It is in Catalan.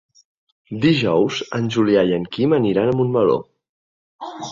Dijous en Julià i en Quim aniran a Montmeló.